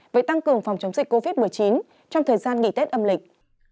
với tăng cường phòng chống dịch covid một mươi chín trong thời gian nghỉ tết âm lịch